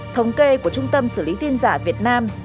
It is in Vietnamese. thống kê của trung tâm xử lý tin giả việt nam